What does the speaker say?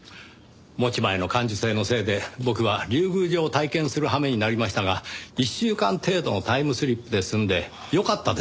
持ち前の感受性のせいで僕は竜宮城を体験するはめになりましたが１週間程度のタイムスリップで済んでよかったです。